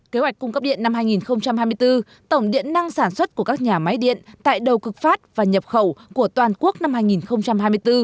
kế hoạch cung cấp điện năm hai nghìn hai mươi bốn tổng điện năng sản xuất của các nhà máy điện tại đầu cực phát và nhập khẩu của toàn quốc năm hai nghìn hai mươi bốn